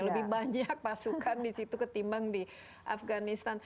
lebih banyak pasukan di situ ketimbang di afganistan